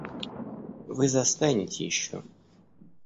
Вы застанете еще.